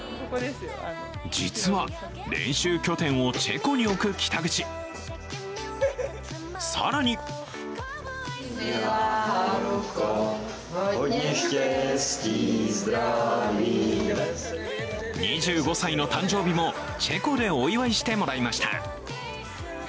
実は練習拠点をチェコに置く北口更に２５歳の誕生日もチェコでお祝いしてもらいました。